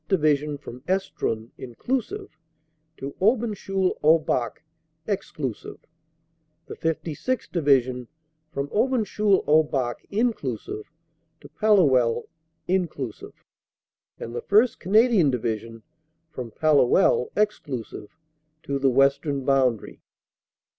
Division from Estrun (inclusive) to Aubencheul au Bac (exclusive) the 56th. Division from Aubencheul au Bac (inclusive) to Pal luel (inclusive), and the 1st. Canadian Division from Palluel (exclusive) to the western boundary.